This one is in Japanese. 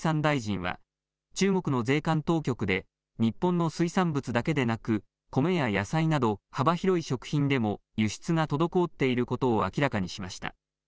野村農林水産大臣は中国の税関当局で日本の水産物だけでなく米や野菜など幅広い食品でも輸出が滞っていることを明らかにしました。